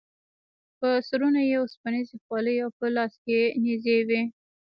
په سرونو یې اوسپنیزې خولۍ او په لاسونو کې یې نیزې وې.